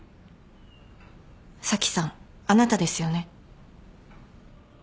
紗季さんあなたですよね。